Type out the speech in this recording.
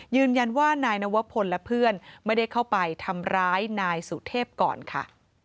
ยืนยันว่านายนวพลและเพื่อนไม่ได้เข้าไปทำร้ายนายสุเทพก่อนค่ะ